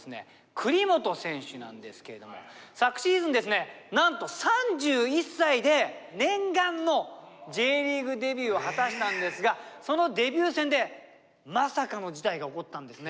栗本選手なんですけれども昨シーズンですねなんと３１歳で念願のＪリーグデビューを果たしたんですがそのデビュー戦でまさかの事態が起こったんですね。